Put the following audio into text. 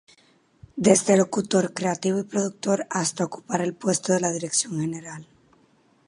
Desde locutor, creativo y productor, hasta ocupar el puesto de la dirección general.